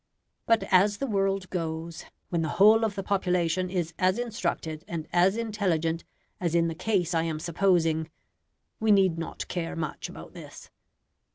But as the world goes, when the whole of the population is as instructed and as intelligent as in the case I am supposing, we need not care much about this.